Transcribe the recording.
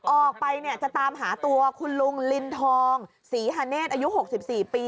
ออกไปเนี่ยจะตามหาตัวคุณลุงลินทองศรีฮาเนธอายุ๖๔ปี